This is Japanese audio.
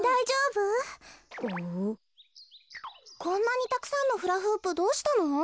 こんなにたくさんのフラフープどうしたの？